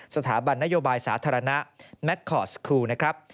สถาบันนโยบายสาธารณะแมคคอร์สครูนะครับ